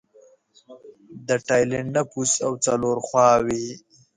د ټایلنډ نفوس او څلور خواووې